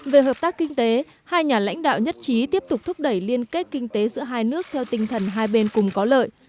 về hợp tác kinh tế hai nhà lãnh đạo nhất trí tiếp tục thúc đẩy liên kết kinh tế giữa hai nước theo tinh thần hai bên cùng có lợi